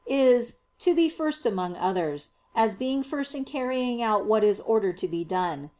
is "to be first among others," as being first in carrying out what is ordered to be done.